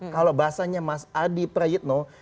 kalau bahasanya mas adi prayitno